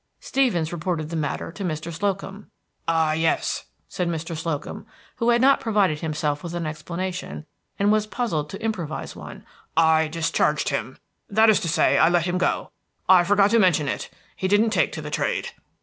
Stevens reported the matter to Mr. Slocum. "Ah, yes," said Mr. Slocum, who had not provided himself with an explanation, and was puzzled to improvise one. "I discharged him, that is to say, I let him go. I forgot to mention it. He didn't take to the trade."